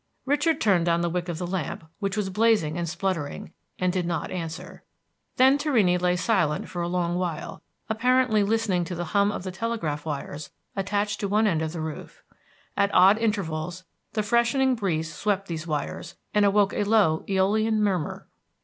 Richard turned down the wick of the lamp, which was blazing and spluttering, and did not answer. Then Torrini lay silent a long while, apparently listening to the hum of the telegraph wires attached to one end of the roof. At odd intervals the freshening breeze swept these wires, and awoke a low æolian murmur.